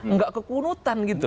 nggak kekunutan gitu